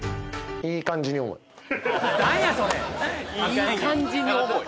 ・「いい感じに重い」